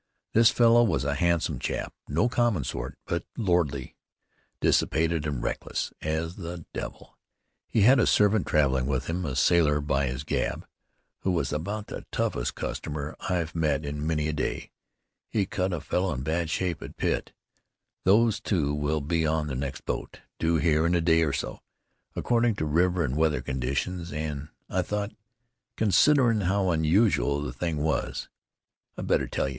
This fellow was a handsome chap, no common sort, but lordly, dissipated and reckless as the devil. He had a servant traveling with him, a sailor, by his gab, who was about the toughest customer I've met in many a day. He cut a fellow in bad shape at Pitt. These two will be on the next boat, due here in a day or so, according to river and weather conditions, an' I thought, considerin' how unusual the thing was, I'd better tell ye."